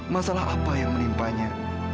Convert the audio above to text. masalah apa yang menimpanya